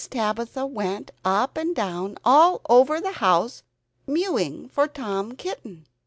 Tabitha went up and down all over the house, mewing for Tom Kitten.